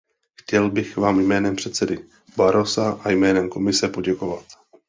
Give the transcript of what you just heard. Chtěl bych vám jménem předsedy Barrosa a jménem Komise poděkovat.